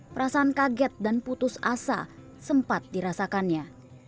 perasaan kaget dan putus asa sempat dirasakannya